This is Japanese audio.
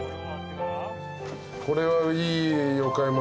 これはいいお買い物。